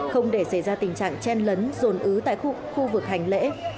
không để xảy ra tình trạng chen lấn rồn ứ tại khu vực hành lễ